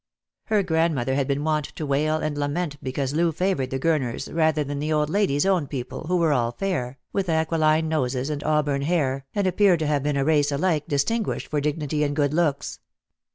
Her grandmother had been wont to wail and lament because Loo favoured the G urners rather than the old lady's own people, who were all fair, with aquiline noses and auburn hair, and appeared to have been a race alike distinguished for dignity and good looks.